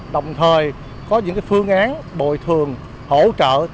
đồng thời có những phương án bồi thường hỗ trợ